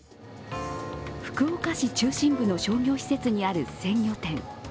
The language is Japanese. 福岡市中心部の所業施設にある鮮魚店。